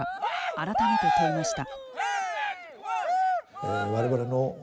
改めて問いました。